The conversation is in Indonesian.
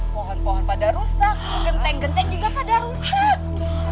pohon pohon pada rusak genteng genteng juga pada rusak